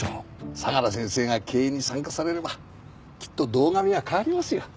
相良先生が経営に参加されればきっと堂上は変わりますよ。